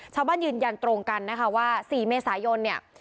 ยืนยันตรงกันนะคะว่า๔เมษายนเนี่ย